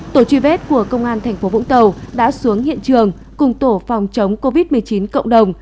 tổ truy vết của công an tp vũng tàu đã xuống hiện trường cùng tổ phòng chống covid một mươi chín cộng đồng